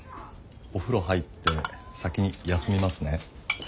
お風呂入って先にやすみますね。